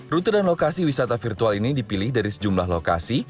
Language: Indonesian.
rute dan lokasi wisata virtual ini dipilih dari sejumlah lokasi